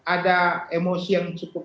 ada emosi yang cukup